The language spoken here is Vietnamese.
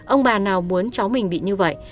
ông bà nào muốn cháu mình bị như vậy